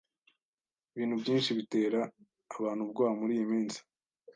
Ibintu byinshi bitera abantu ubwoba muriyi minsi.